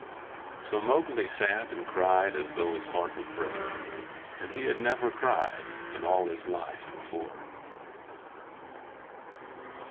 So Mowgli sat and cried as though his heart would break; and he had never cried in all his life before.